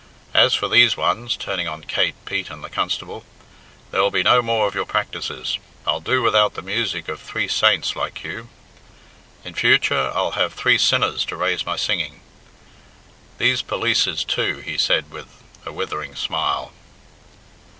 As for these ones," turning on Kate, Pete, and the constable, "there'll be no more of your practices. I'll do without the music of three saints like you. In future I'll have three sinners to raise my singing. These polices, too!" he said with a withering smile.